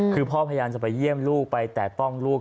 คือพ่อพยายามจะไปเยี่ยมลูกไปแตะต้องลูก